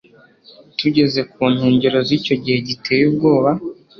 Tugeze ku nkengero zicyo gihe giteye ubwoba